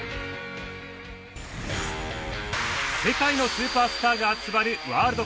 世界のスーパースターが集まるワールドカップ。